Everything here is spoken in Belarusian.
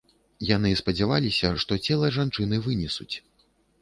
Яны спадзяваліся, што цела жанчыны вынесуць.